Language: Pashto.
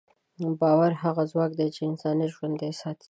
باور هغه ځواک دی چې انسانیت ژوندی ساتي.